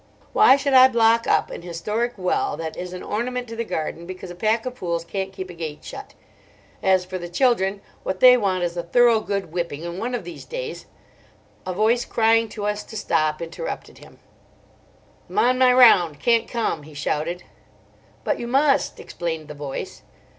"Why should I block up an historic well, that is an ornament to the garden, because a pack of fools can't keep a gate shut? As for the children, what they want is a thorough good whipping, and one of these days—" A voice crying to us to stop interrupted him. "Am on my round. Can't come," he shouted. "But you must," explained the voice.